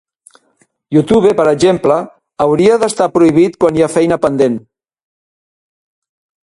Youtube, per exemple, hauria d'estar prohibit quan hi ha feina pendent.